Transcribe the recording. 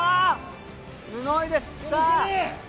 すごいですさあ！